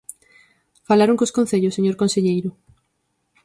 ¿Falaron cos concellos, señor conselleiro?